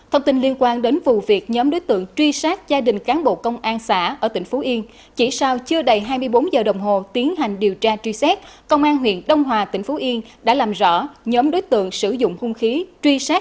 hãy đăng ký kênh để ủng hộ kênh của chúng mình nhé